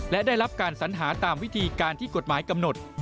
และได้รับการสัญหาตามวิธีการที่กฎหมายกำหนด